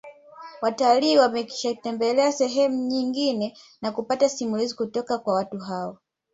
Watalii wamekwishatembelea sehemu nyingine na kupata simulizi kutoka kwa watu wao